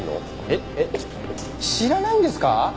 えっえっ知らないんですか？